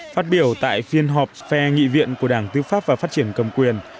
phát biểu tại phiên họp phe nghị viện của đảng tư pháp và phát triển cầm quyền